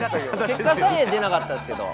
結果さえ出なかったですけど。